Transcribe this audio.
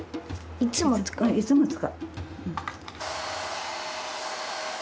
いつも使う。